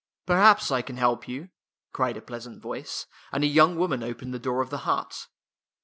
Perhaps I can help you," cried a pleas ant voice, and a young woman opened the door of the hut.